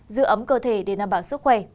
giữ ấm cơ thể để nằm bảo sức khỏe